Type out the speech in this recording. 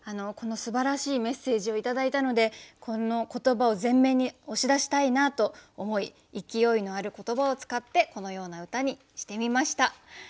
このすばらしいメッセージを頂いたのでこの言葉を前面に押し出したいなと思い勢いのある言葉を使ってこのような歌にしてみました。